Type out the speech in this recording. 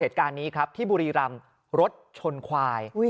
เหตุการณ์นี้ครับที่บุรีรำรถชนควาย